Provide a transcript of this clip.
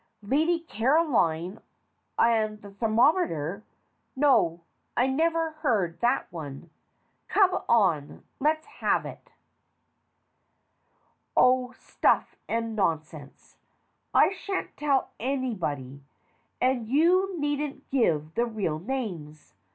Lady Caroline and the thermometer no, I never heard that one. Come on. Let's have it. THE DIFFICULT CASE 213 Oh, stuff and nonsense! I shan't tell anybody, and you needn't give the real names.